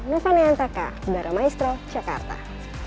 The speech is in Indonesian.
nufani antaka darah maestro jakarta